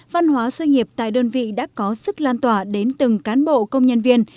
văn hóa doanh nghiệp tại đơn vị đã có sức lan tỏa đến từng cán bộ công nhân viên